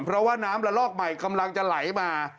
เพราะว่าน้ำละลอกใหม่กำลังจะไหลมา